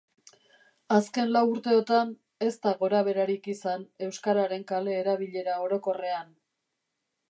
Azken lau urteotan, ez da gorabeherarik izan euskararen kale-erabilera orokorrean.